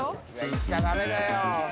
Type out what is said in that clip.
行っちゃダメだよ。